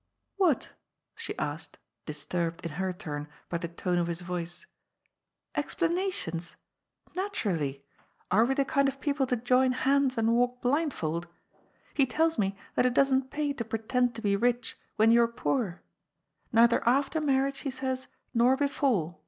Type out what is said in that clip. " What?" she asked, disturbed, in her turn, by the tone of his voice. ^^Explanations? Naturally. Are we the kind of people to join hands and walk blindfold ? He tells me that it doesn't pay to pretend to be rich when you're poor. Neither after marriage, he says, nor before.